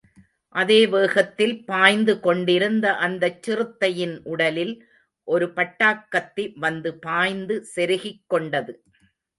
அதே வேகத்தில், பாய்ந்து கொண்டிருந்த அந்தச் சிறுத்தையின் உடலில் ஒரு பட்டாக்கத்தி வந்து பாய்ந்து செருகிக் கொண்டது.